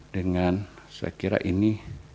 dengan saya kira ini